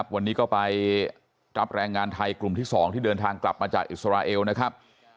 วันนี้ก็ไปรับแรงงานไทยกลุ่มที่๒ที่เดินทางกลับมาจากอิสราเอลนะครับ